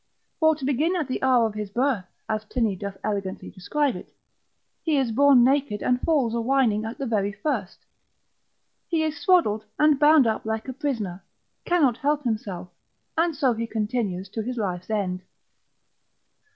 For to begin at the hour of his birth, as Pliny doth elegantly describe it, he is born naked, and falls a whining at the very first: he is swaddled, and bound up like a prisoner, cannot help himself, and so he continues to his life's end.